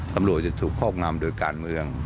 ตำรวจจะถูกครอบงำโดยการเมือง